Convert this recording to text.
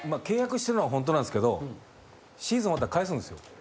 契約してるのはホントなんですけどシーズン終わったら返すんですよ。